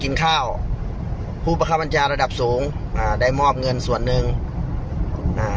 กินข้าวผู้ประคับบัญชาระดับสูงอ่าได้มอบเงินส่วนหนึ่งอ่า